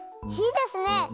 いいですね！